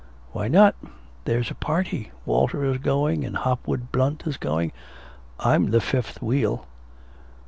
'Why not, there's a party. Walter is going, and Hopwood Blunt is going. I'm the fifth wheel.'